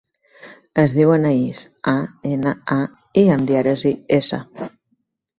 Es diu Anaïs: a, ena, a, i amb dièresi, essa.